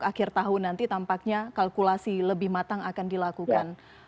akhir tahun nanti tampaknya kalkulasi lebih matang akan dilakukan